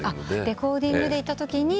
レコーディングで行ったときに？